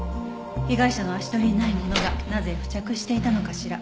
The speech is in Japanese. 被害者の足取りにないものがなぜ付着していたのかしら。